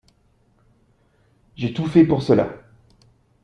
J’ai tout fait pour cela.